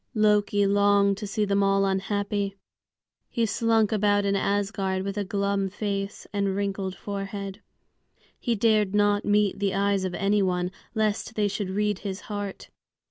Loki longed to see them all unhappy. He slunk about in Asgard with a glum face and wrinkled forehead. He dared not meet the eyes of any one, lest they should read his heart.